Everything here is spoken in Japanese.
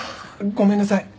ごめんなさい。